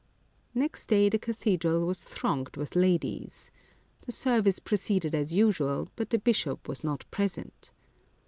Next day the cathedral was thronged with ladies. The service proceeded as usual, but the bishop was not present.